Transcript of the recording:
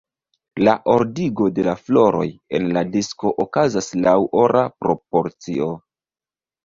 La ordigo de la floroj en la disko okazas laŭ ora proporcio.